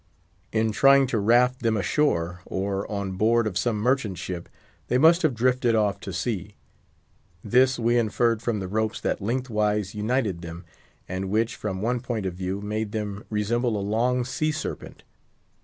In trying to raft them ashore, or on board of some merchant ship, they must have drifted off to sea. This we inferred from the ropes that length wise united them, and which, from one point of view, made them resemble a long sea serpent.